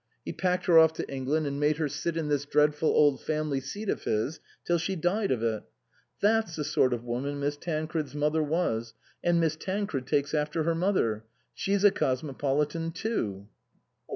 He packed her off to England and made her sit in this dreadful old family seat of his till she died of it. That's the sort of woman Miss Tancred's mother was, and Miss Tancred takes after her mother. She's a cosmopolitan too."